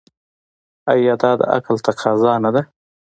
آیا دا د عقل تقاضا نه ده؟